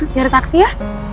nyari taksi ya